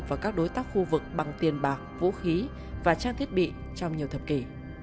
và các đối tác khu vực bằng tiền bạc vũ khí và trang thiết bị trong nhiều thập kỷ